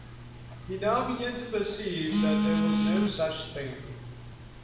He now began to perceive that there was no such thing.